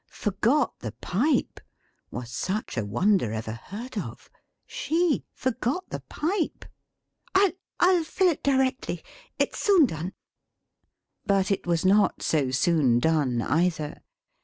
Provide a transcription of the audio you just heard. Forgot the Pipe! Was such a wonder ever heard of! She! Forgot the Pipe! "I'll I'll fill it directly. It's soon done." But it was not so soon done, either.